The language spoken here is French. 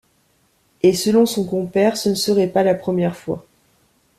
Et, selon son compère, ce ne serait pas la première fois...